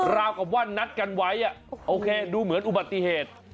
ราวกับว่านัดกันไว้โอเคดูเหมือนอุบัติเหตุ